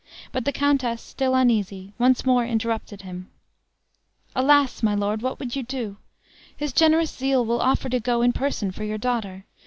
But the countess, still uneasy, once more interrupted him. "Alas! my lord, what would you do? His generous zeal will offer to go in person for your daughter.